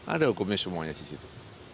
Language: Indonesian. ada hukumnya semuanya di situ